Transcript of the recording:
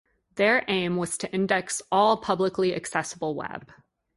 Their aim was to index all the publicly accessible web.